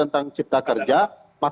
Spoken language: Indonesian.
dan cipta kerja